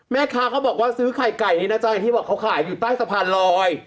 แม่ค้าเขาบอกว่าซื้อไข่ไก่นี้นะจ๊ะที่บอกเขาขายอยู่ใต้สะพานลอย